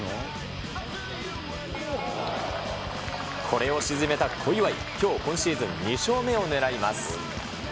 これを沈めた小祝、きょう、今シーズン２勝目を狙います。